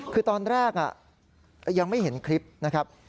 คือตอนแรกยังไม่เห็นคลิปนะครับ